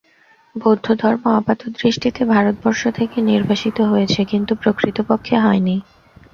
বৌদ্ধধর্ম আপাতদৃষ্টিতে ভারতবর্ষ থেকে নির্বাসিত হয়েছে, কিন্তু প্রকৃতপক্ষে হয়নি।